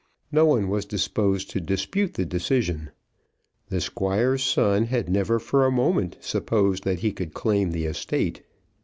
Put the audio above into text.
No one was disposed to dispute the decision. The Squire's son had never for a moment supposed that he could claim the estate.